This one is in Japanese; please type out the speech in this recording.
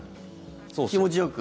気持ちよく。